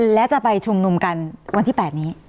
และจะไปชุมนุมกันวันที่๘นี้